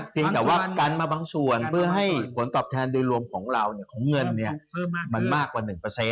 เพียงแต่ว่ากันมาบางส่วนเพื่อให้ผลตอบแทนโดยรวมของเราของเงินมันมากกว่า๑